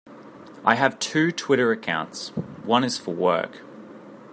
I have two Twitter accounts, one is for work.